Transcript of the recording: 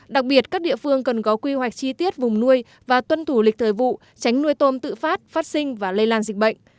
đặc biệt các địa phương cần có quy hoạch chi tiết vùng nuôi và tuân thủ lịch thời vụ tránh nuôi tôm tự phát phát sinh và lây lan dịch bệnh